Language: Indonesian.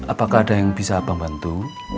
apakah ada yang bisa abang bantu